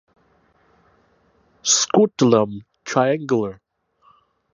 Scutellum triangular.